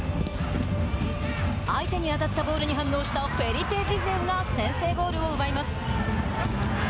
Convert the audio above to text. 相手に当たったボールに反応したフェリペ・ヴィゼウが先制ゴールを奪います。